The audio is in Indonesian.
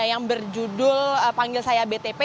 yang berjudul panggil saya btp